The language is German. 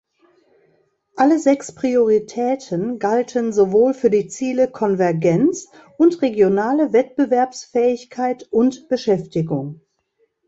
Alle sechs Prioritäten galten sowohl für die Ziele Konvergenz und regionale Wettbewerbsfähigkeit und Beschäftigung.